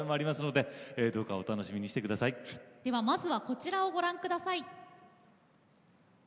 では、まずはこちらをご覧ください。